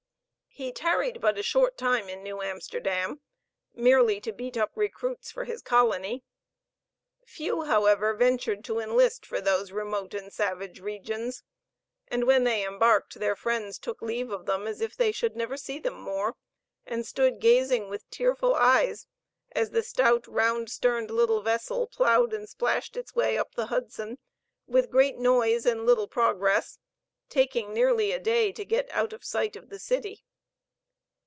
He tarried but a short time in New Amsterdam merely to beat up recruits for his colony. Few, however, ventured to enlist for those remote and savage regions; and when they embarked, their friends took leave of them as if they should never see them more; and stood gazing with tearful eyes as the stout, round sterned little vessel ploughed and splashed its way up the Hudson, with great noise and little progress, taking nearly a day to get out of sight of the city.